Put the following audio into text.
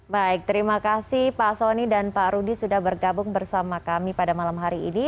baik terima kasih pak soni dan pak rudi sudah bergabung bersama kami pada malam hari ini